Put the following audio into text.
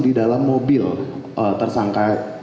di dalam mobil tersangka